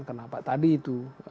kenapa tadi itu